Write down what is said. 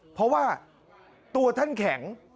เพราะว่าตัวท่านแข็ง